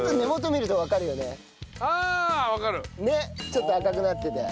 ちょっと赤くなってて。